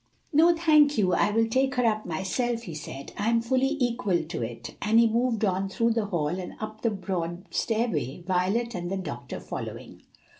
"No, thank you, I will take her up myself," he said. "I am fully equal to it," and he moved on through the hall and up the broad stairway, Violet and the doctor following.